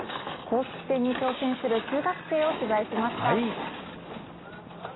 公式戦に挑戦する中学生を取材しました。